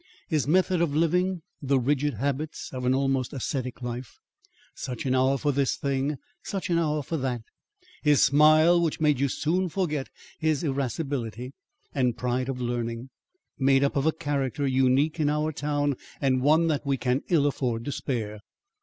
His method of living; the rigid habits of an almost ascetic life; such an hour for this thing, such an hour for that his smile, which made you soon forget his irascibility and pride of learning; made up a character unique in our town and one that we can ill afford to spare.